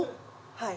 はい。